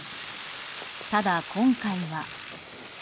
ただ、今回は。